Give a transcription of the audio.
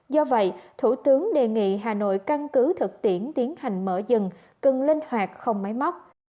do vậy thủ tướng đề nghị hà nội căn cứ thực tiễn tiến hành mở dừng cần linh hoạt không máy móc